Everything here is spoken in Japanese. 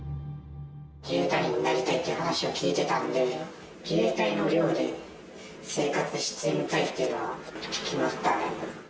自衛隊になりたいという話を聞いてたので、自衛隊の寮で生活してみたいっていうのは聞きましたね。